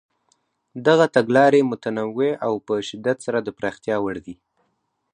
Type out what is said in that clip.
دغه تګلارې متنوع او په شدت سره د پراختیا وړ دي.